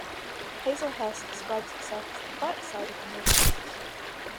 Hazelhurst describes itself as the Quiet side of the North Woods.